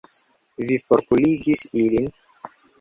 Vi forkurigis ilin?